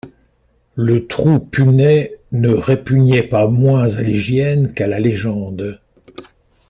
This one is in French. Le Trou punais ne répugnait pas moins à l’hygiène qu’à la légende.